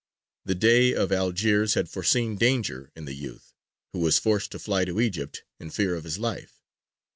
The Dey of Algiers had foreseen danger in the youth, who was forced to fly to Egypt in fear of his life.